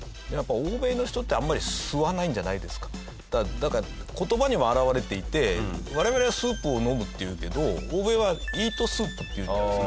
なんか言葉にも表れていて我々はスープを飲むって言うけど欧米はイートスープって言うじゃないですか。